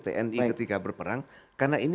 tni ketika berperang karena ini